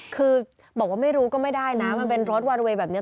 คือบอกว่าไม่รู้ก็ไม่ได้นะมันเป็นรถวาระเวย์แบบนี้